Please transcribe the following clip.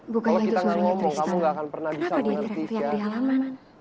bukannya itu suaranya tristan kenapa dia teriak di halaman